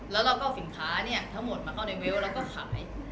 แล้วเราก็เอาสินค้าทั้งหมดมาเข้าในเวลต์แล้วก็ขาย